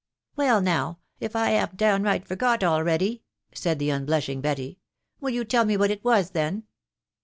" Well now, if I hav'n't downright forgot already !" said the unblushing Betty. " Will you tell me what it was then